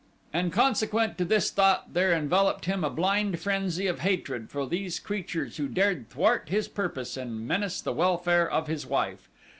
And consequent to this thought there enveloped him a blind frenzy of hatred for these creatures who dared thwart his purpose and menace the welfare of his wife.